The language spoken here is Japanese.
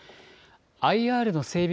ＩＲの整備